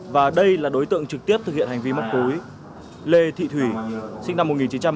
và đây là đối tượng trực tiếp thực hiện hành vi mốc túi lê thị thủy sinh năm một nghìn chín trăm bảy mươi ba